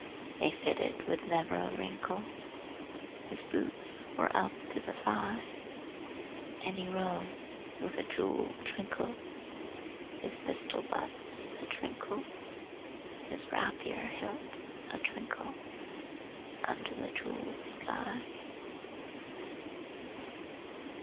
They fitted with never a wrinkle; his boots were up to his thigh! And he rode with a jeweled twinkle His rapier hilt a twinkle His pistol butts a twinkle, under the jeweled sky.